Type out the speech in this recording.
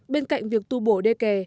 bên cạnh việc tu bổ đê kè